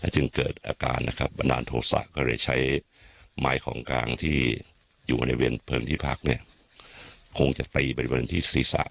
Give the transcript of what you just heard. จริงแล้วคือการต่อเห็นคำชื่อเพียงแค่คนเดียวอย่างนั้น